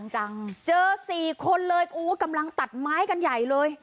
จังเจอสี่คนเลยโอ้กำลังตัดไม้กันใหญ่เลย